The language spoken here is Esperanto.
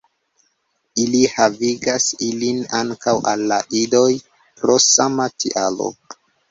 Ili havigas ilin ankaŭ al la idoj pro sama tialo.